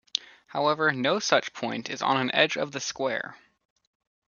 However, no such point is on an edge of the square.